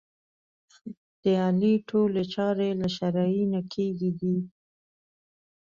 د علي ټولې چارې له شرعې نه کېږي دي.